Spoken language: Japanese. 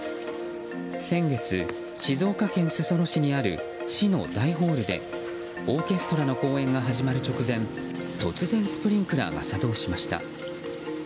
先月、静岡県裾野市にある市の大ホールでオーケストラの公演が始まる直前突然、スプリンクラーが作動しました。